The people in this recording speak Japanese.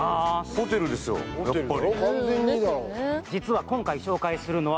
ホテルですよ、やっぱり。